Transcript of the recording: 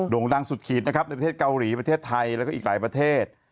่งดังสุดขีดนะครับในประเทศเกาหลีประเทศไทยแล้วก็อีกหลายประเทศ